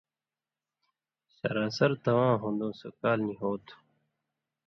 سراسر تَواں ہُون٘دُوں سو کال نی ہو تُھو